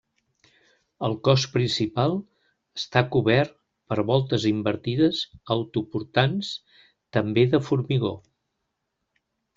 El cos principal està cobert per voltes invertides autoportants, també de formigó.